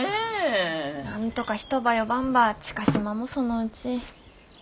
なんとか人ば呼ばんば知嘉島もそのうち。